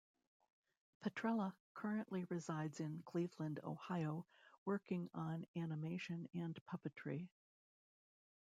Petrella currently resides in Cleveland, Ohio, working on animation and puppetry.